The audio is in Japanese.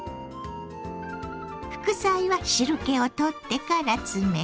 副菜は汁けを取ってから詰めて。